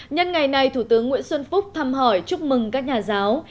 nhân ngày này thủ tướng nguyễn xuân phúc thăm hỏi chúc mừng các nhà giáo